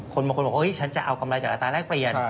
บางคนบอกว่าฉันจะเอากำไรจากอัตราแรกเปลี่ยน